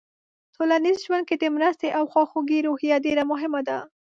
ټولنیز ژوند کې د مرستې او خواخوږۍ روحیه ډېره مهمه ده.